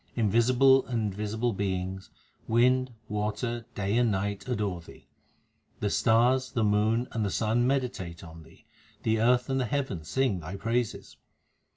Invisible and visible beings, wind, water, day and night adore Thee. The stars, the moon, and the sun meditate on Thee ; the earth and the heavens sing Thy praises.